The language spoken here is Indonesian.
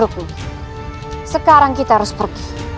sekarang kita harus pergi